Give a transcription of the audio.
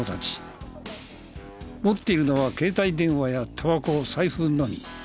持っているのは携帯電話やタバコ財布のみ。